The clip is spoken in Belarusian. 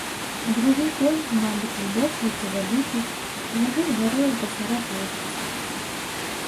Другі конь, мабыць, здохлы ці забіты, ляжыць гарою пасярод вуліцы.